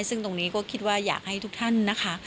ซึ่งตรงนี้ก็คิดว่าอยากให้ทุกท่านนะคะ